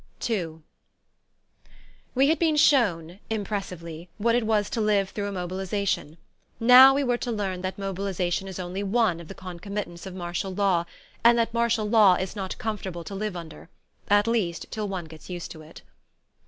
II WE had been shown, impressively, what it was to live through a mobilization; now we were to learn that mobilization is only one of the concomitants of martial law, and that martial law is not comfortable to live under at least till one gets used to it.